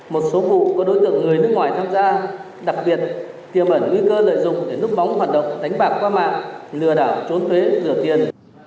một số vụ có đối tượng người nước ngoài tham gia đặc biệt tiềm ẩn nguy cơ lợi dụng để núp bóng hoạt động đánh bạc qua mạng lừa đảo trốn thuế rửa tiền